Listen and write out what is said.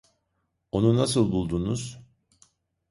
Onu nasıl buldunuz?